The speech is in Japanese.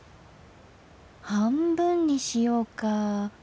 半分にしようか。